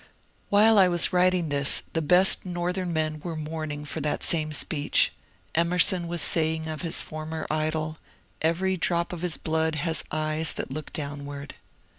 While I was writing this, the best Northern men were in mourning for that same speech. Emer son was saying of his former idol, ^' Every drop of his blood has eyes that look downward."